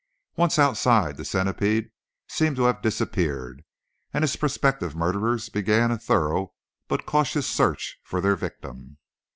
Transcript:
Once outside, the centipede seemed to have disappeared, and his prospective murderers began a thorough but cautious search for their victim.